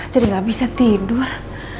jadi gak bisa tidur